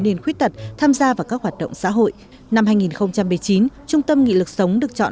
niên khuyết tật tham gia vào các hoạt động xã hội năm hai nghìn một mươi chín trung tâm nghị lực sống được chọn